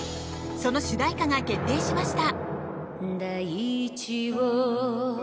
その主題歌が決定しました。